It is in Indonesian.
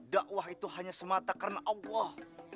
dakwah itu hanya semata karena allah